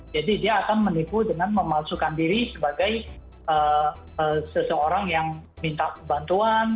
jadi dia akan menipu dengan memalsukan diri sebagai seseorang yang minta bantuan